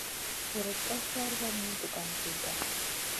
Vurutn ka sarkanu dugan zida.